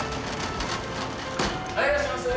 はいいらっしゃいませ！